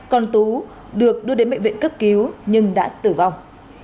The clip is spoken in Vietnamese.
còn tú được đưa đến bệnh viện cấp cứu nhưng đã tử vong